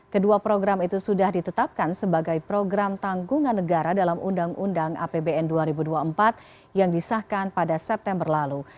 kedua program itu sudah ditetapkan sebagai program tanggungan negara dalam undang undang apbn dua ribu dua puluh empat yang disahkan pada september lalu